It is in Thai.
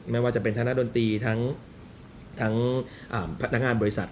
ไม่ว่าจะเป็นธนดนตรีทั้งพนักงานบริษัท